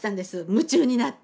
夢中になって。